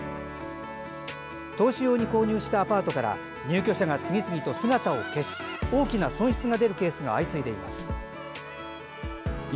投資用に購入したアパートから入居者が次々と姿を消し大きな損失が出るケースが相次いでいます。